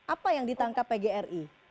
apa yang ditangkap pgri